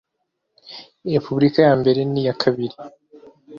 Repubulika ya mbeye n'iya kabiri